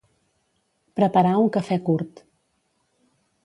Preparar un cafè curt.